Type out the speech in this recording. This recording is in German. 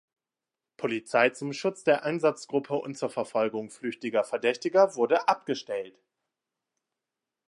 Polizei zum Schutz der Einsatzgruppe und zur Verfolgung flüchtiger Verdächtiger wurde abgestellt.